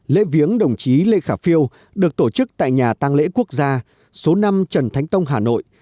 lễ viếng đồng chí lê khả phiêu được tổ chức tại nhà tăng lễ quốc gia số năm trần thánh tông hà nội